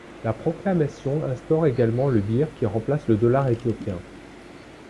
La proclamation instaure également le birr qui remplace le dollar éthiopien.